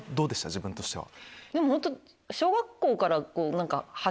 自分としては。